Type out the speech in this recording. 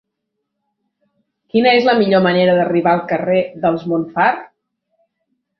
Quina és la millor manera d'arribar al carrer dels Montfar?